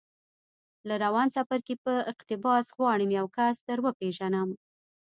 له روان څپرکي په اقتباس غواړم یو کس در وپېژنم